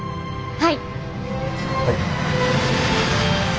はい！